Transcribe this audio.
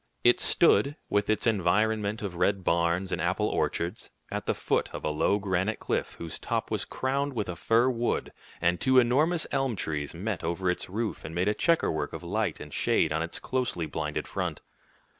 It stood, with its environment of red barns and apple orchards, at the foot of a low granite cliff whose top was crowned with a fir wood; and two enormous elm trees met over its roof and made a checker work of light and shade on its closely blinded front.